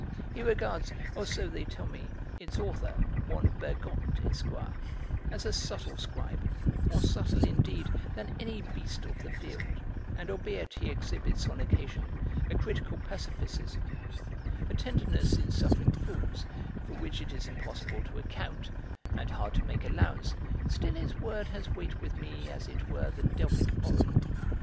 He regards, or so they tell me, its author, one Bergotte, Esquire, as a subtle scribe, more subtle, indeed, than any beast of the field; and, albeit he exhibits on occasion a critical pacifism, a tenderness in suffering fools, for which it is impossible to account, and hard to make allowance, still his word has weight with me as it were the Delphic Oracle.